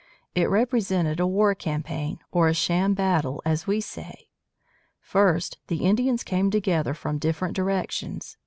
It represented a war campaign, or a sham battle, as we say. First, the Indians came together from different directions.